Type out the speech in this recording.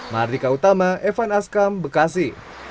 mardika utama evan askam bekasi